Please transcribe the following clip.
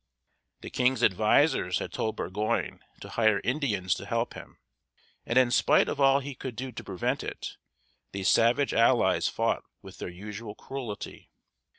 The king's advisers had told Burgoyne to hire Indians to help him, and in spite of all he could do to prevent it, these savage allies fought with their usual cruelty.